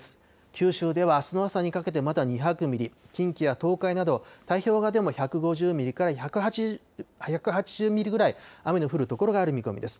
九州ではあすの朝にかけてまだ２００ミリ、近畿や東海など太平洋側でも１５０ミリから１８０ミリぐらい、雨の降る所がある見込みです。